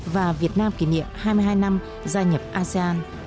và việt nam kỷ niệm hai mươi hai năm gia nhập asean